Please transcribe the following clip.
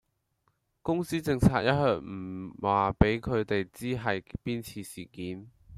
公司政策一向唔話俾佢地知係邊次事件